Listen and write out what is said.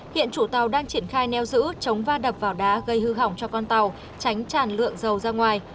hiện chủ tàu đang triển khai neo giữ chống va đập vào đá gây hư hỏng cho con tàu tránh tràn lượng dầu ra ngoài